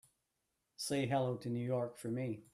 Say hello to New York for me.